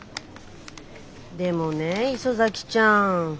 でもね磯崎ちゃん。